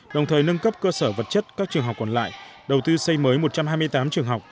đồng thời nâng cấp cơ sở vật chất các trường học còn lại đầu tư xây mới một trăm hai mươi tám trường học